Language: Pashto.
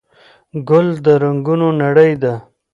ګل د رنګونو نړۍ ده.